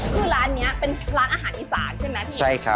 คือร้านนี้เป็นร้านอาหารอีสานใช่ไหมพี่